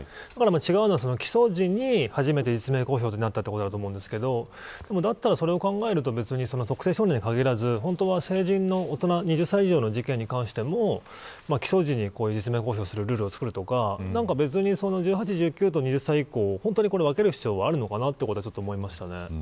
違うのは、起訴時に初めて実名公表になったということだと思うんですけどそれを考えると特定少年に限らず本当は成人の事件に関しても起訴時に実名公表するルールを作るとか１８歳１９歳と２０歳以降分ける必要があるのかなというのは思いました。